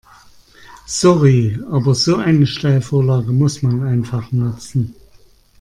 Sorry, aber so eine Steilvorlage muss man einfach nutzen.